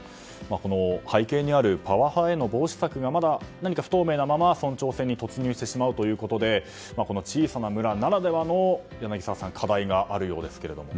背景にあるパワハラへの防止策がまだ何か不透明なまま村長選に突入してしまうということで小さな村ならではの柳澤さん、課題があるようですが。